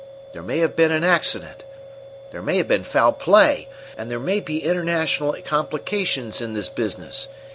There may have been an accident; there may have been foul play; and there may be international complications in this business.